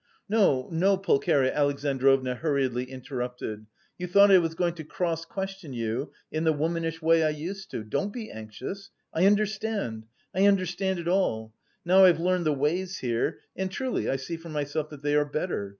"No, no," Pulcheria Alexandrovna hurriedly interrupted, "you thought I was going to cross question you in the womanish way I used to; don't be anxious, I understand, I understand it all: now I've learned the ways here and truly I see for myself that they are better.